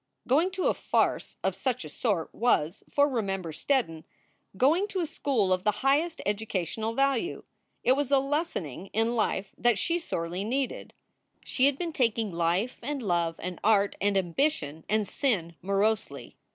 Going to a farce of such a sort was, for Remember Steddon, going to a school of the highest educational value; it was a lessoning in life that she sorely needed. She had been taking life and love and art and ambition and sin morosely.